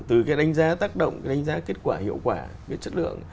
từ cái đánh giá tác động cái đánh giá kết quả hiệu quả cái chất lượng